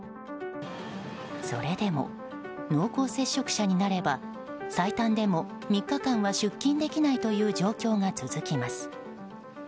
それでも、濃厚接触者になれば最短でも３日間は出勤できないという状況が続きます。